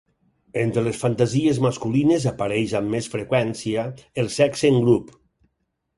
Entre les fantasies masculines apareix amb més freqüència el sexe en grup.